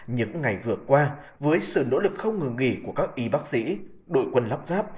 những ngày vừa qua với sự nỗ lực không ngừng nghỉ của các y bác sĩ đội quân lắp ráp